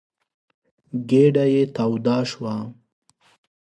ګېډه يې توده شوه.